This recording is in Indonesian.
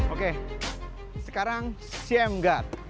oke sekarang shame guard